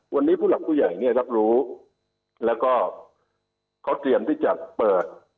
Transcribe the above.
วันนี้ผู้หลักผู้ใหญ่เนี่ยรับรู้แล้วก็เขาเตรียมที่จะเปิด